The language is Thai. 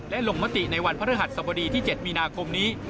และลงมติในวันพระฤหัสสบดีที่๗มีนาคมนี้